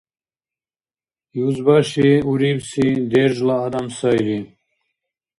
Юзбаши урибси держла адам сайри.